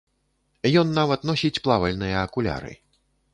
Ён нават носіць плавальныя акуляры.